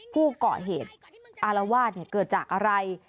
ผู้ก่อเหตุอารวาสเกิดจากอะไร